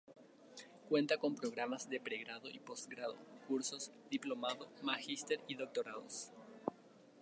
Cuenta con programas de pregrado y postgrado; cursos, diplomados, magíster y doctorados.